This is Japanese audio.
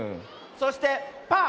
そしてパー。